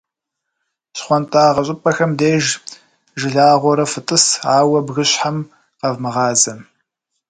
Щхуантӏагъэ щӀыпӀэхэм деж жылагъуэурэ фытӀыс, ауэ бгыщхьэм къэвмыгъазэ.